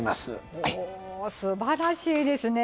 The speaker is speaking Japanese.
おおすばらしいですね。